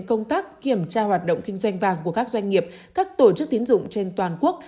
công tác kiểm tra hoạt động kinh doanh vàng của các doanh nghiệp các tổ chức tiến dụng trên toàn quốc